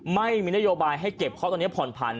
ไม่มีนโยบายให้เก็บเพราะตอนนี้ผ่อนพันธ